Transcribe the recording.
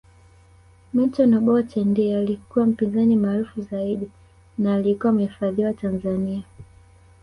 Milton Obote ndiye alikuwa mpinzani maarufu zaidi na alikuwa amehifadhiwa Tanzania